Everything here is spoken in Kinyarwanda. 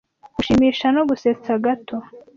gushimisha no gusetsa gato